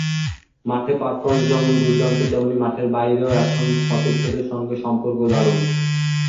মাঠের পারফরম্যান্স যেমন দুর্দান্ত, তেমনি মাঠের বাইরেও এখন সতীর্থদের সঙ্গে সম্পর্ক দারুণ।